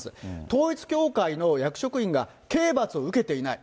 統一教会の役職員が刑罰を受けていない。